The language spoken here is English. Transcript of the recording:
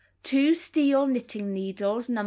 Two steel knitting needles, No.